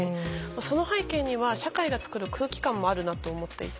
その背景には社会が作る空気感もあるなと思っていて。